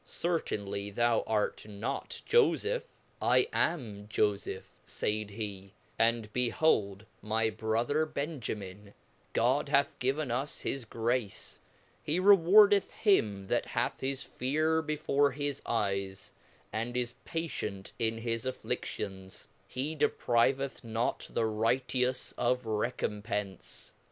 Certainly thou art not fofepk, I am fofeph, faid he, and behold my brother Benjamin, God hath given us his grace; he rewardeth him that hath his fear before his eyes, and is patient in his atrli^ions ; he depriveth not the righteous of recompencc.